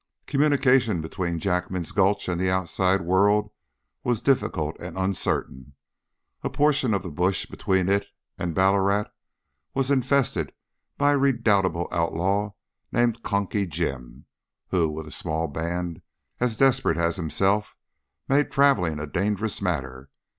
Communication between Jackman's Gulch and the outside world was difficult and uncertain. A portion of the bush between it and Ballarat was infested by a redoubtable outlaw named Conky Jim, who, with a small band as desperate as himself, made travelling a dangerous matter.